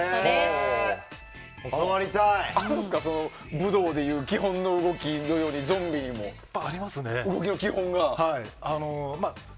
武道でいう基本の動きのようにゾンビにも動きの基本が。ありますね。